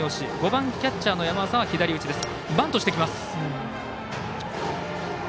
５番キャッチャーの山浅は左打ちです。